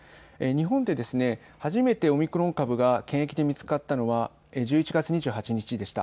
日本で初めてオミクロン株が検疫で見つかったのは１１月２８日でした。